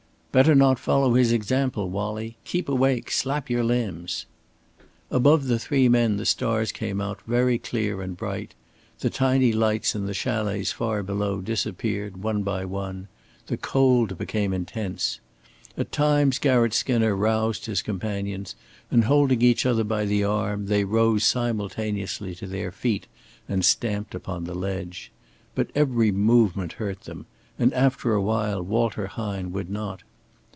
"Better not follow his example, Wallie. Keep awake! Slap your limbs!" Above the three men the stars came out very clear and bright; the tiny lights in the chalets far below disappeared one by one; the cold became intense. At times Garratt Skinner roused his companions, and holding each other by the arm, they rose simultaneously to their feet and stamped upon the ledge. But every movement hurt them, and after a while Walter Hine would not.